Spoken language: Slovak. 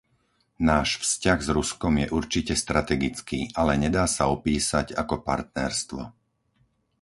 Náš vzťah s Ruskom je určite strategický, ale nedá sa opísať ako partnerstvo.